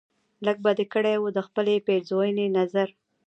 لږ به دې کړی و دخپلې پیرزوینې نظر